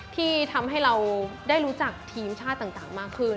ที่ทำให้เราได้รู้จักทีมชาติต่างมากขึ้น